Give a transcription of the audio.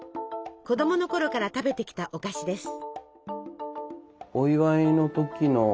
子どものころから食べてきたお菓子です。